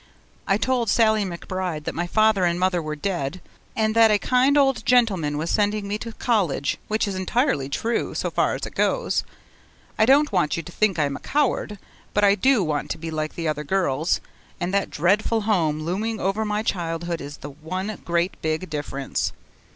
I told Sallie McBride that my mother and father were dead, and that a kind old gentleman was sending me to college which is entirely true so far as it goes. I don't want you to think I am a coward, but I do want to be like the other girls, and that Dreadful Home looming over my childhood is the one great big difference.